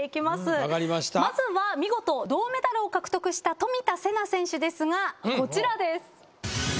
まずは見事銅メダルを獲得した冨田せな選手ですがこちらです。